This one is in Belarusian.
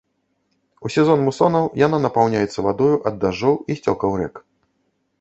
У сезон мусонаў яна напаўняецца вадою ад дажджоў і сцёкаў рэк.